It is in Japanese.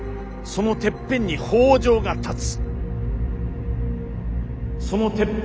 そのてっぺんに北条が立つ。